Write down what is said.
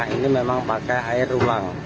ini memang pakai air ruang